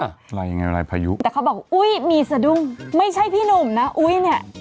อะไรยังไงลายพายุแต่เขาบอกอุ้ยมีสะดุ้งไม่ใช่พี่หนุ่มนะอุ้ยเนี่ย